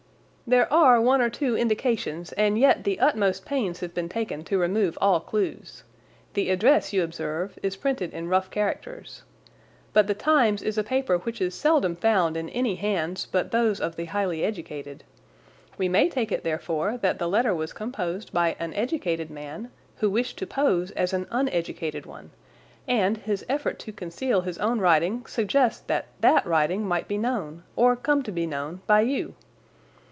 "There are one or two indications, and yet the utmost pains have been taken to remove all clues. The address, you observe is printed in rough characters. But the Times is a paper which is seldom found in any hands but those of the highly educated. We may take it, therefore, that the letter was composed by an educated man who wished to pose as an uneducated one, and his effort to conceal his own writing suggests that that writing might be known, or come to be known, by you.